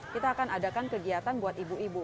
kita akan adakan kegiatan buat ibu ibu